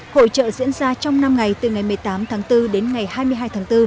hội trợ diễn ra trong năm ngày từ ngày một mươi tám tháng bốn đến ngày hai mươi hai tháng bốn